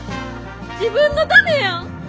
自分のためやん！